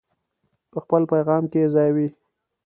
په خپل پیغام کې یې ځایوي.